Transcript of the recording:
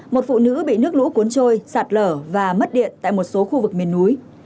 một phụ nữ bị nước lũ cuốn trôi sạt lở và mất điện tại một số khu vực miền núi